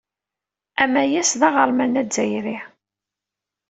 Amayas d aɣerman azzayri.